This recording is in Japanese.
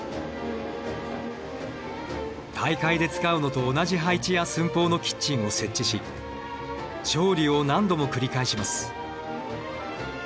大会で使うのと同じ配置や寸法のキッチンを設置し調理を何度も繰り返します。